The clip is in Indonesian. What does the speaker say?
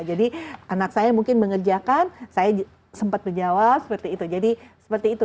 jadi anak saya mungkin mengerjakan saya sempat menjawab seperti itu